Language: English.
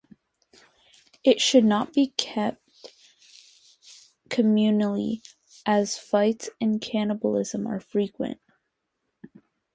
It should not be kept communally, as fights and cannibalism are frequent.